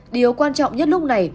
điều quan trọng nhất lúc này